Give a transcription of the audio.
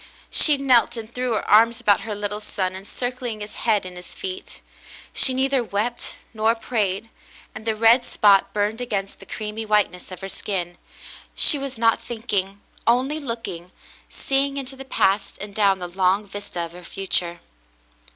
She knelt and threw her arms about her little son, encircling his head and his feet. She neither wept nor prayed ; and the red spot burned against the creamy whiteness of her skin. She was not thinking, only looking, seeing into the past and down the long vista of her future.